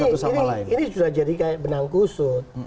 ya itu makanya ini sudah jadi kayak benang kusut